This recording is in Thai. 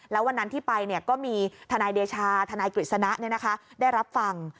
แล้ววันนั้นที่ไปก็มีทนายเดชาธนายกฤษณะได้รับฟัง